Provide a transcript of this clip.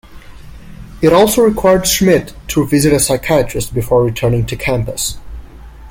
It also required Schmidt to visit a psychiatrist before returning to campus.